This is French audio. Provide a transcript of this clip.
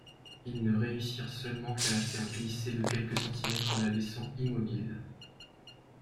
Ils ne réussirent seulement qu'à la faire glisser de quelques centimètres là laissant immobile.